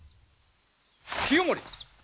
清盛